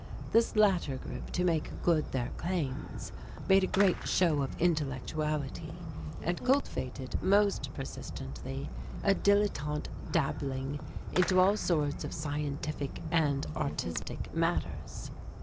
This latter group, to make good their claims, made a great show of intellectuality, and cultivated most persistently a dilletante dabbling into all sorts of scientific and artistic matters.